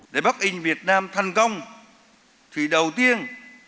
để bắt in việt nam thành công thì đầu tiên